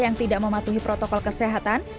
yang tidak mematuhi protokol kesehatan